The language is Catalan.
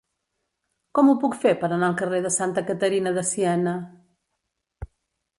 Com ho puc fer per anar al carrer de Santa Caterina de Siena?